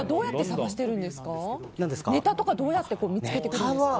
ネタとかどうやって見つけてくるんですか？